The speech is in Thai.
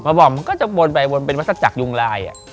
มาบอกมันก็จะวนไปคือเป็นวัสดิ์จากยุงราย